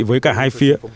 với cả hai phía